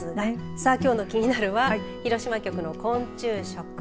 さあ、きょうのキニナル！は広島局の昆虫食。